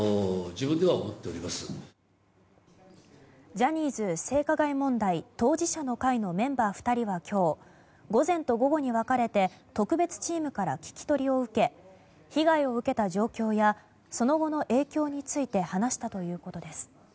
ジャニーズ性加害問題当事者の会のメンバー２人は今日午前と午後に分かれて特別チームから聞き取りを受け被害を受けた状況やその後の影響について話したということです。